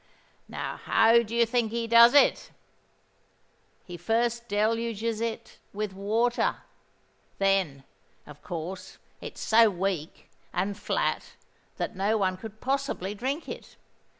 Now, how do you think he does it? He first deluges it with water: then, of course, it's so weak and flat that no one could possibly drink it.